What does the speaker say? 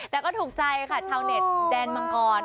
แต่ก็ถูกใจค่ะชาวเน็ตแดนมังกร